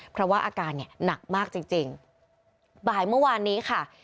เพราะว่าอาการเนี่ยหนักมากจริงจริงบ่ายเมื่อวานนี้ค่ะ